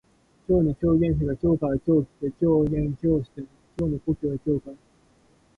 今日の狂言師が京から今日来て狂言今日して京の故郷へ今日帰る